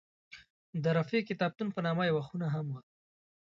د رفیع کتابتون په نامه یوه خونه هم وه.